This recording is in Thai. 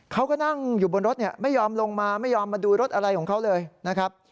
เขาก็นั่งอยู่บนรถไม่ยอมลงมาไม่ยอมมาดูรถอะไรของเขาเลยนะครับ